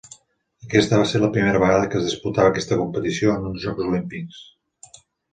Aquesta va ser la primera vegada que es disputava aquesta competició en uns Jocs Olímpics.